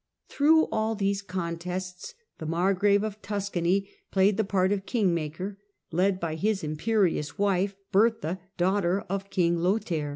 Through all these contests the Margrave of Tuscany played the part of kingmaker, led by his imperious wife Bertha, daughter of King Lothair.